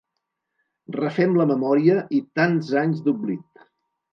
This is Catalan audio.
Refem la memòria i tants anys d’oblit.